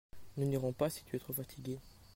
Nous n'irons pas si tu es trop fatiguée.